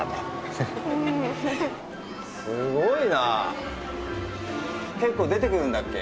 確かに結構出てくるんだっけ？